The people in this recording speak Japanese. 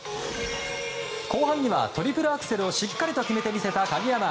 後半にはトリプルアクセルをしっかりと決めて見せた鍵山。